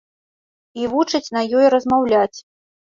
І вучыць на ёй размаўляць.